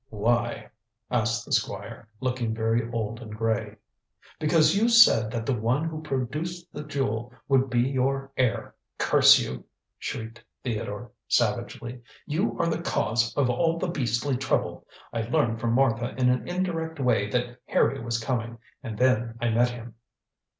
"Why?" asked the Squire, looking very old and grey. "Because you said that the one who produced the jewel would be your heir, curse you!" shrieked Theodore savagely; "You are the cause of all the beastly trouble. I learned from Martha in an indirect way that Harry was coming, and then I met him."